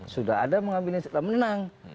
sudah ada mengambil insikta menang